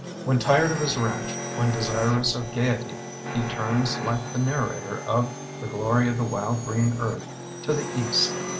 When tired of his ranch, when desirous of gayety, he turns like the narrator of "The Glory of the Wild Green Earth'" to the east.